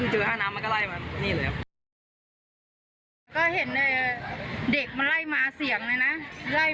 ใช่ยาวแล้วคราวนี้ก็เห็นเด็กไล่ไล่มาถึงจุดนี้